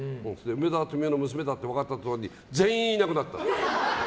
梅沢富美男の娘だと分かった途端に全員いなくなったって。